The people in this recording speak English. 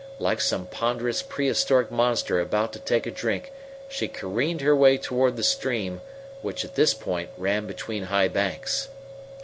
Like some ponderous prehistoric monster about to take a drink, she careened her way toward the stream, which, at this point, ran between high banks.